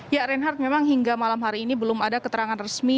ya reinhardt memang hingga malam hari ini belum ada keterangan resmi